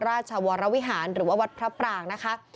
ราชวรวิหารหรือว่าวัดพระปรางนะคะ